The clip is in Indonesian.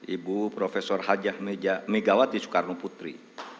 ibu prof hajah megawati soekarno putri